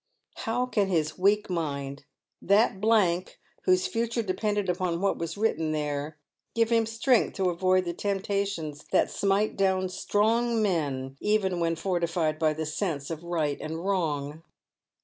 How can his weak mind, that blank whose future depended upon what was written there, give him strength to avoid the temptations that smite down strong men, even when fortified by the sense of right and wrong.